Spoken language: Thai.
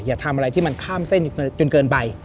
อย่าทำอะไรที่มันข้ามเส้นจนเกินไป